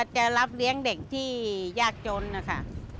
จะรับเลี้ยงเด็กที่ยากจนนะคะ